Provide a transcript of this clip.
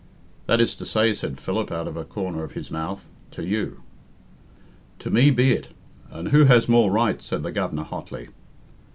"That is to say," said Philip out of a corner of his mouth, "to you." "To me be it, and who has more right?" said the Governor hotly.